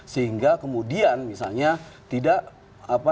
sehingga kemudian misalnya tidak apa